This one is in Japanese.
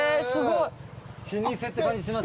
老舗って感じしますね。